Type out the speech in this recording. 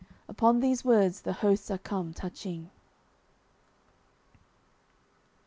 Upon these words the hosts are come touching.